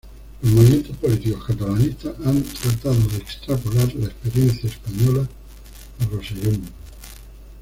Los movimientos políticos catalanistas han tratado de extrapolar la experiencia española a Rosellón.